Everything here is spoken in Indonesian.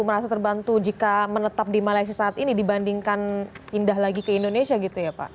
merasa terbantu jika menetap di malaysia saat ini dibandingkan pindah lagi ke indonesia gitu ya pak